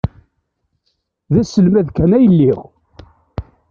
D aselmad kan ay lliɣ.